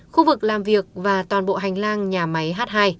khu vực làm việc và toàn bộ hành lang nhà máy h hai